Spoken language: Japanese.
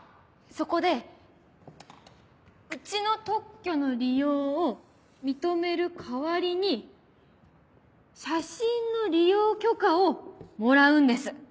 そこでうちの特許の利用を認める代わりに写真の利用許可をもらうんです。